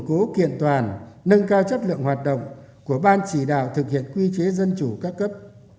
cố kiện toàn nâng cao chất lượng hoạt động của ban chỉ đạo thực hiện quy chế dân chủ các cấp